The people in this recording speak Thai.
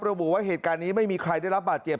ระบุว่าเหตุการณ์นี้ไม่มีใครได้รับบาดเจ็บ